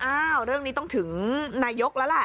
อ้าวเรื่องนี้ต้องถึงนายกละละ